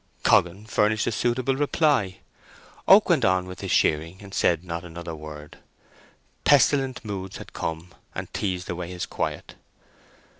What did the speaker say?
Coggan furnished a suitable reply. Oak went on with his shearing, and said not another word. Pestilent moods had come, and teased away his quiet.